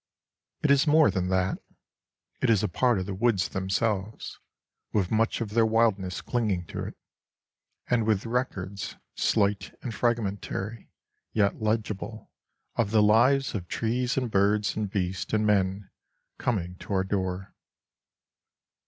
It is more than that. It is a part of the woods themselves, with much of their wildness clinging to it, and with records, slight and fragmentary, yet legible, of the lives of trees and birds and beasts and men coming to our door.